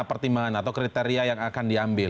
pertimbangan atau kriteria yang akan diambil